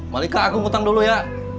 malika agung hutang dulu ya